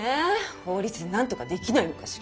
法律でなんとかできないのかしら。